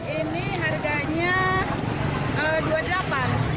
ini harganya rp dua puluh delapan